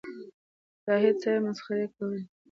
زاهدي صاحب مسخرې کولې.